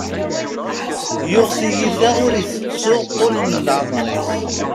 Yuɣ tiyita ur itettu ṭṭul n leɛmer-is.